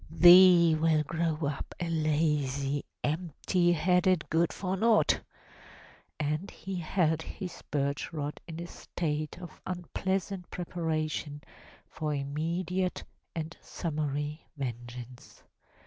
Thee will grow up a lazy, empty headed good for naught!" And he held his birch rod in a state of unpleasant preparation for imme diate and summary vengeance.